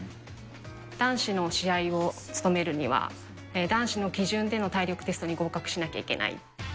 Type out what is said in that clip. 男子の試合を務めるには、男子の基準での体力テストに合格しなきゃいけない。